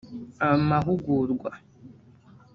amahugurwa